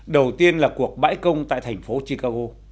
đầu tiên là cuộc bãi công tại thành phố chicago